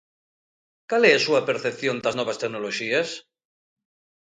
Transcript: Cal é a súa percepción das novas tecnoloxías?